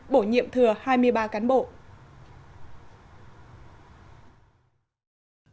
bổ nhiệm thừa hai mươi ba cán bộ